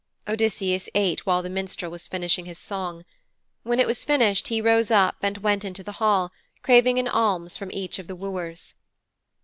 Odysseus ate whilst the minstrel was finishing his song. When it was finished he rose up, and went into the hall, craving an alms from each of the wooers.